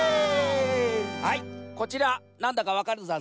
はいこちらなんだかわかるざんすか？